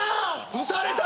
撃たれた！